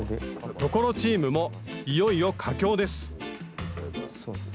所チームもいよいよ佳境です